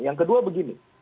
yang kedua begini